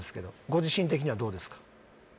ご自身的にはどうですか？